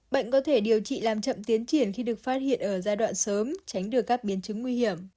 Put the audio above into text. bệnh có thể điều trị làm chậm tiến triển khi được phát hiện ở giai đoạn sớm tránh được các biến chứng nguy hiểm